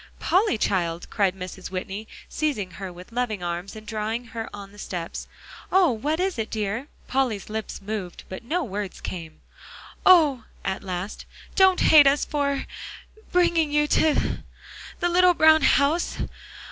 "Polly, child," cried Mrs. Whitney, seizing her with loving arms and drawing her on the steps "oh! what is it, dear?" Polly's lips moved, but no words came. "Oh!" at last, "don't hate us for bringing you to the little brown house.